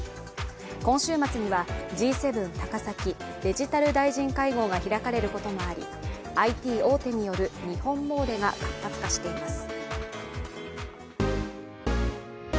今週末にはＧ７高崎デジタル大臣会合が開かれることもありＩＴ大手による日本詣でが活発化しています。